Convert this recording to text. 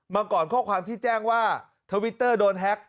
มาก่อนข้อความที่แจ้งว่าทวิตเตอร์โดนแฮ็ก